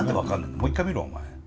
もう一回見ろお前。